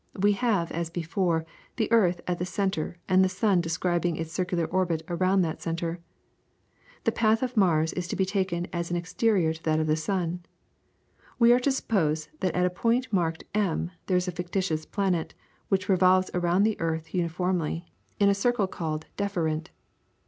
We have, as before, the earth at the centre, and the sun describing its circular orbit around that centre. The path of Mars is to be taken as exterior to that of the sun. We are to suppose that at a point marked M there is a fictitious planet, which revolves around the earth uniformly, in a circle called the DEFERENT.